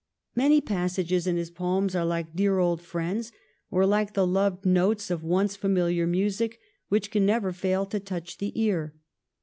Many passages in his poems are like dear old friends, or like the loved notes of once familiar music which can never fail to touch the ear.